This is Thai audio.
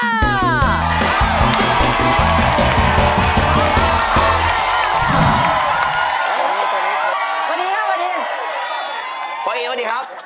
สวัสดีครับสวัสดีครับ